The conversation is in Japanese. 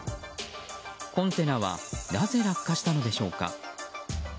コンテナはなぜ落下したのでしょうか。